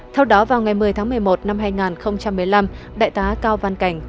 theo đó vào ngày một mươi tháng một mươi một năm hai nghìn một mươi năm đại tá cao văn cảnh